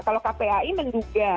kalau kpai menduga